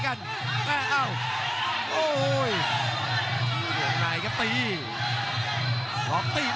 โอ้โหโอ้โหโอ้โห